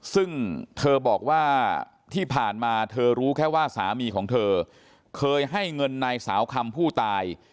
ซึ่งเธอบอกว่าที่ผ่านมาเธอรู้แค่ว่าสามีของเธอเคยให้เงินนายสาวคำผู้ตาย